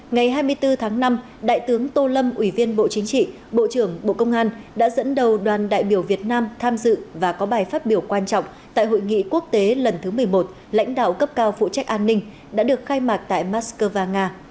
ngày hai mươi bốn tháng năm đại tướng tô lâm ủy viên bộ chính trị bộ trưởng bộ công an đã dẫn đầu đoàn đại biểu việt nam tham dự và có bài phát biểu quan trọng tại hội nghị quốc tế lần thứ một mươi một lãnh đạo cấp cao phụ trách an ninh đã được khai mạc tại moscow nga